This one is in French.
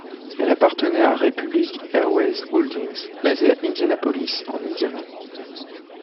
Elle appartenait à Republic Airways Holdings, basée à Indianapolis en Indiana.